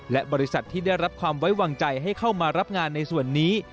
และบริษัทที่ได้รับความไว้วางใจให้เข้ามารับงานในส่วนนี้